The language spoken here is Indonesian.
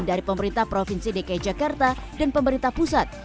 dari pemerintah provinsi dki jakarta dan pemerintah pusat